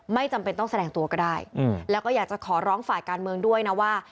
ไม่จำเป็นต้องแสดงตัวก็ได้แล้วก็อยากจะขอร้องฝ่ายการเมืองด้วยนะว่า